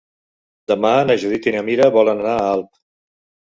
Demà na Judit i na Mira volen anar a Alp.